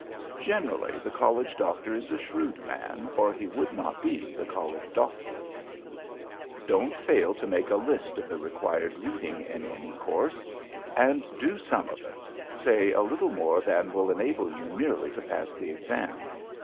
Generally, the College Doctor is a shrewd man, or he would not be the College Doctor. [Sidenote: ABOUT REQUIRED READING] Don't fail to make a list of the required reading in any course. And do some of it say, a little more than will enable you merely to pass the Exam.